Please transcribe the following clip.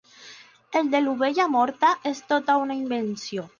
El de l'ovella morta és tota una invenció.